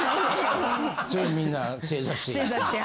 それみんな正座して。